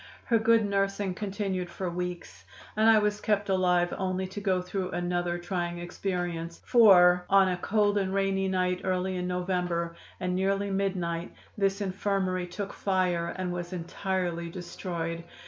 Her good nursing continued for weeks, and I was kept alive only to go through another trying experience, for an a cold and rainy night early in November, and nearly midnight, this infirmary took fire and was entirely destroyed.